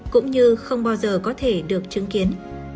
cũng như không bao giờ có thể được chứng kiến